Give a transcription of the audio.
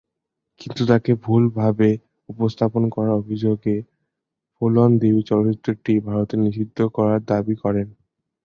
কিন্তু তাকে ভুলভাবে উপস্থাপন করার অভিযোগে ফুলন দেবী চলচ্চিত্রটি ভারতে নিষিদ্ধ করার দাবী করেন।